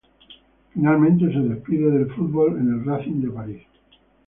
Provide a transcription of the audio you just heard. Finalmente se despide del fútbol en el Racing de París.